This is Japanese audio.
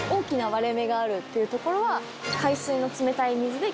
があるっていうところは。